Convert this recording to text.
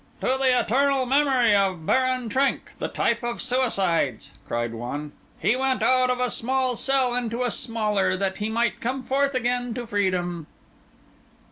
"To the eternal memory of Baron Trenck, the type of suicides!" cried one. "He went out of a small cell into a smaller, that he might come forth again to freedom."